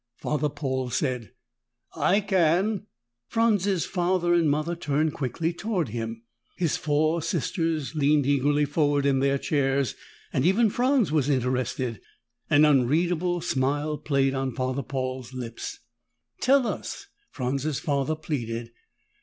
Father Paul said, "I can." Franz's father and mother turned quickly toward him. His four sisters leaned eagerly forward in their chairs and even Franz was interested. An unreadable smile played on Father Paul's lips. "Tell us," Franz's father pleaded.